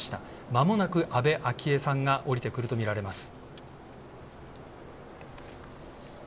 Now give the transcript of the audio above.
まもなく安倍昭恵さんが降りてくるとみられます。